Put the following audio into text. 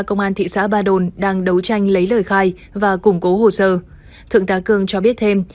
công an thị xã ba đồn đang đấu tranh lấy lời khai và củng cố hồ sơ thượng tá cương cho biết thêm